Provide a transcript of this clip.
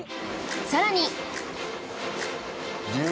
さらに